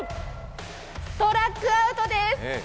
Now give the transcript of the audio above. ストラックアウトです。